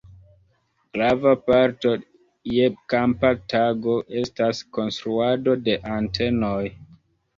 Grava parto je kampa tago estas konstruado de antenoj.